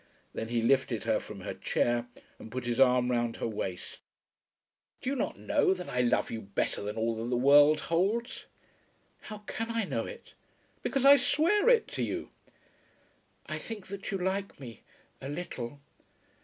Then he lifted her from her chair, and put his arm round her waist. "Do you not know that I love you better than all that the world holds?" "How can I know it?" "Because I swear it to you." "I think that you like me a little.